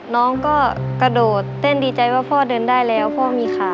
น้องก็กระโดดเต้นดีใจว่าพ่อเดินได้แล้วพ่อมีขา